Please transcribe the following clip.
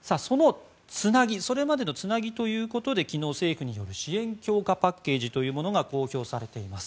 それまでのつなぎということで昨日、政府による支援強化パッケージというものが公表されています。